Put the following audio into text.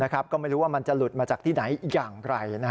ก็ไม่รู้ว่ามันจะหลุดมาจากที่ไหนอย่างไร